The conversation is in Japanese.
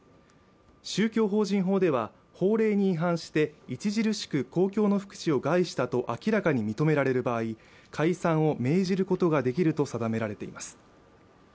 宗教法人法では法令に違反して著しく公共の福祉を害したと明らかに認められる場合解散を命じることができると定められています